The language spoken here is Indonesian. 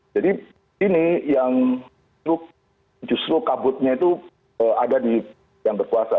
jadi ini yang justru kabutnya itu ada di yang berkuasa